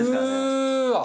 うわ！